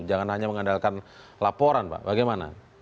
jangan hanya mengandalkan laporan pak bagaimana